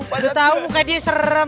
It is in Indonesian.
gue tau muka dia serem